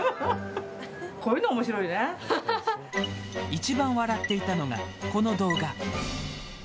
１番笑っていたのがこの動画。